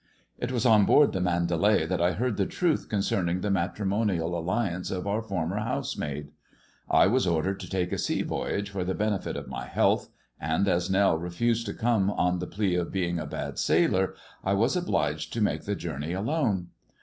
It was on board the MandaXay that I heard the truth concerning the matrimonial alliance of our former house maid. I was ordered to take a sea voyage for the benefit of my health, and as Nell refused to come on the plea of being a bad sailor, I was obliged to make the journey alone.